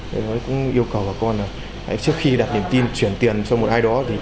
tôi yêu cầu các con trước khi đặt niềm tin chuyển tiền cho một ai đó